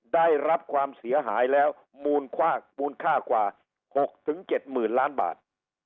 ได้รับความเสียหายแล้วมูลค่ากว่า๖๗๐๐๐ล้านบาท